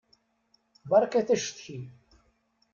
Beṛkat acetki.